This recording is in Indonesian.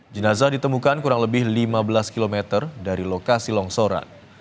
jenazah ditemukan kurang lebih lima belas km dari lokasi longsoran